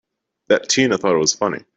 That Tina thought it was funny!